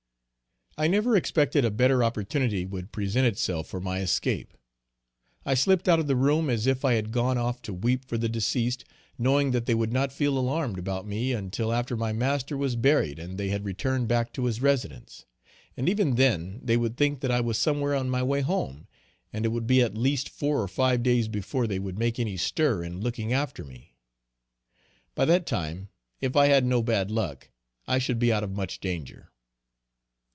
I never expected a better opportunity would present itself for my escape. I slipped out of the room as if I had gone off to weep for the deceased, knowing that they would not feel alarmed about me until after my master was buried and they had returned back to his residence. And even then, they would think that I was somewhere on my way home; and it would be at least four or five days before they would make any stir in looking after me. By that time, if I had no bad luck, I should be out of much danger.